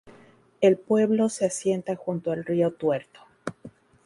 El pueblo se asienta junto al río Tuerto.